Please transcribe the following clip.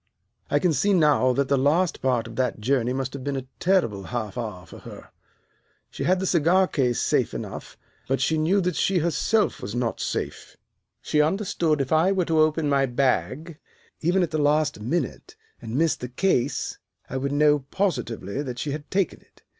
"I can see now that the last part of that journey must have been a terrible half hour for her. She had the cigar case safe enough, but she knew that she herself was not safe. She understood if I were to open my bag, even at the last minute, and miss the case, I would know positively that she had taken it.